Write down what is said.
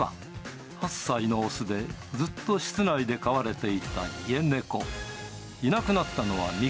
８歳の雄で、ずっと室内で飼われていた家猫。